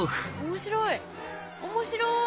面白い。